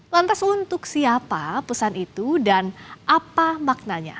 lantas untuk siapa pesan itu dan apa maknanya